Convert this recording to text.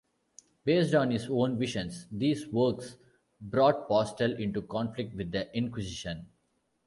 Based on his own visions, these works brought Postel into conflict with the Inquisition.